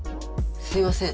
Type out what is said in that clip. すいません。